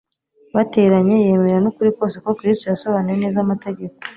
bateranye yemera n'ukuri kose ko Kristo yasobanuye neza amategeko